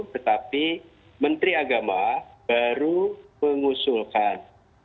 tetapi menteri agama baru mengusulkan